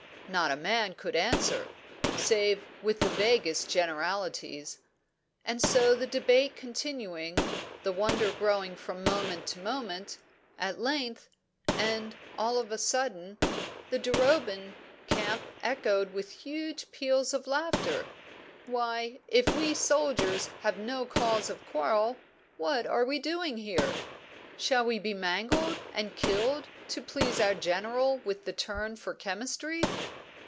Not a man could answer, save with the vaguest generalities. And so, the debate continuing, the wonder growing from moment to moment, at length, and all of a sudden, the Duroban camp echoed with huge peals of laughter. "Why, if we soldiers have no cause of quarrel, what are we doing here? Shall we be mangled and killed to please our General with the turn for chemistry?